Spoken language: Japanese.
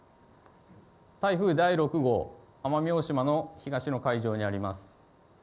台風第６号、奄美大島の東の海上にあります。